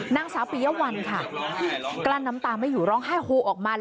นางสาวปียวัลค่ะกลั้นน้ำตาไม่อยู่ร้องไห้โฮออกมา